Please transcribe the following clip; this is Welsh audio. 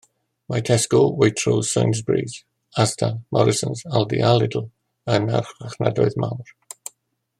Mae Tesco, Waitrose, Sainsburys, Asda, Morrisons, Aldi a Lidl yn archfarchnadoedd mawr.